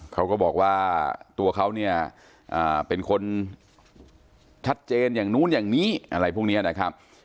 เขาก็บอกว่าตัวเขาเนี่ยเป็นคนชัดเจนอย่างนู้นอย่างนี้อะไรพวกนี้นะครับ